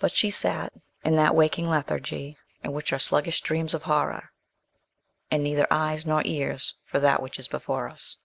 But she sat in that waking lethargy in which are sluggish dreams of horror, and neither eyes nor ears for that which is before us.